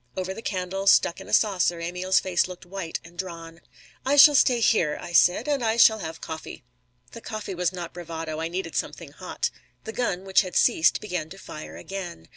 Over the candle, stuck in a saucer, Emil's face looked white and drawn. "I shall stay here," I said. "And I shall have coffee." The coffee was not bravado. I needed something hot. The gun, which had ceased, began to fire again.